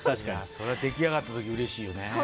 出来上がった時うれしいよね。